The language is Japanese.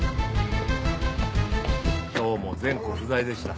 今日も全戸不在でした。